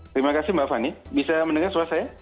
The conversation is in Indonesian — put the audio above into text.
terima kasih mbak fani bisa mendengar suara saya